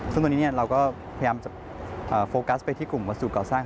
ซึ่งตัวนี้เราก็พยายามจะโฟกัสไปที่กลุ่มวัสดุก่อสร้าง